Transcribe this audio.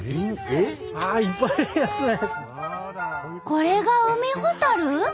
これがウミホタル？